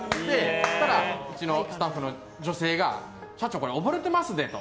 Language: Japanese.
そしたらうちのスタッフの女性が社長、これおぼれていますねと。